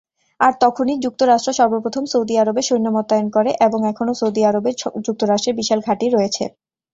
আর তখনই যুক্তরাষ্ট্র সর্বপ্রথম সৌদি আরবে সৈন্য মোতায়েন করে এবং এখনো সৌদি আরবে যুক্তরাষ্ট্রের বিশাল ঘাঁটি রয়েছে।